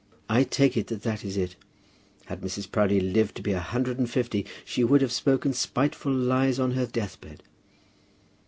I take it that that is it. Had Mrs. Proudie lived to be a hundred and fifty, she would have spoken spiteful lies on her deathbed."